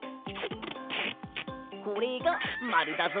これがマルだぞ。